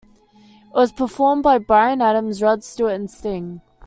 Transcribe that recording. It was performed by Bryan Adams, Rod Stewart and Sting.